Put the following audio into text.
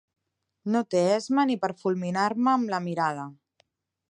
No té esma ni per fulminar-me amb la mirada.